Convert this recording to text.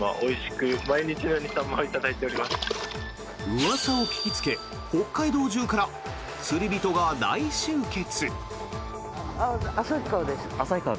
うわさを聞きつけ北海道中から釣り人が大集結。